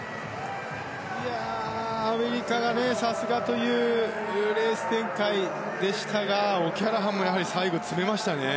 アメリカがさすがというレース展開でしたがオキャラハンもやはり最後詰めましたね。